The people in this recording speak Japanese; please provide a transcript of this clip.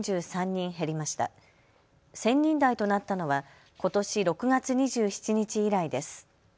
１０００人台となったのはことし６月２７日以来です。